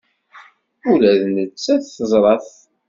Ula d nettat teẓra-t.